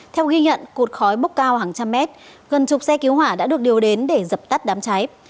theo ghi nhận cột khói bốc cao hàng trăm mét gần chục xe cứu hỏa đã được điều đến để dập tắt đám cháy